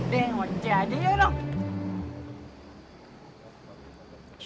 deng wajah aja ya dong